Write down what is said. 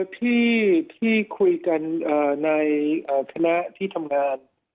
ที่คุยกันในคณะที่ทำงาน